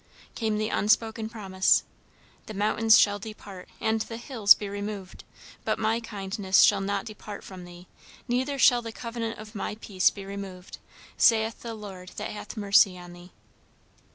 came the unspoken promise: "The mountains shall depart, and the hills be removed; but my kindness shall not depart from thee, neither shall the covenant of my peace be removed, saith the Lord that hath mercy on thee."